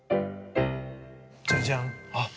じゃじゃん！